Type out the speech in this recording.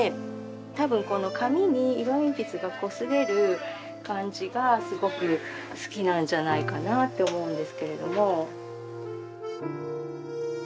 多分この紙に色鉛筆がこすれる感じがすごく好きなんじゃないかなと思うんですけれども。